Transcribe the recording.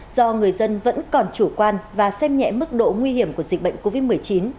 do người dân vẫn còn chủ quan và xem nhẹ mức độ nguy hiểm của dịch bệnh covid một mươi chín